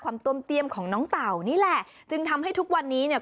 ต้มเตี้ยมของน้องเต่านี่แหละจึงทำให้ทุกวันนี้เนี่ย